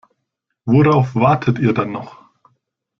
Worauf wartet ihr dann noch?